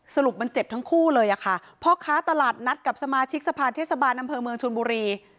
สรุปมันเจ็บทั้งคู่เลยอะค่ะพ่อค้าตลาดนัดกับสมาชิกสะพานเทศบาลอำเภอเมืองชนบุรี